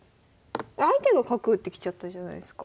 相手が角打ってきちゃったじゃないですか。